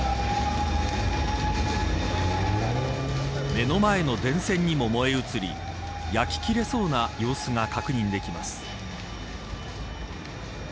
目の前の電線にも燃え移り焼き切れそうな様子が確認できます。